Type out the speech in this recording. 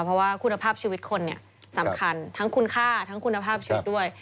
เพราะว่าคุณภาพชีวิตคนเนี่ยสำคัญทั้งคุณค่าทั้งคุณภาพชีวิตด้วย